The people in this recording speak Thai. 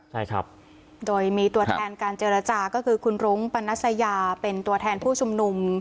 ใช่ครับโดยมีตัวแทนการเจรจาก็คือคุณรุ้งปนัสยาเป็นตัวแทนผู้ชุมนุม